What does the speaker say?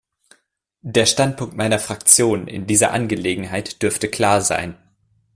Der Standpunkt meiner Fraktion in dieser Angelegenheit dürfte klar sein.